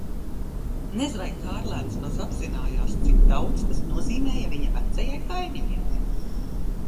Nez vai Kārlēns maz apzinājās, cik daudz tas nozīmēja viņa vecajai kaimiņienei.